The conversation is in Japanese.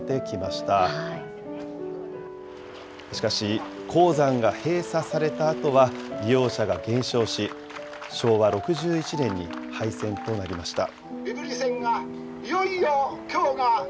しかし、鉱山が閉鎖されたあとは利用者が減少し、昭和６１年に廃線となりました。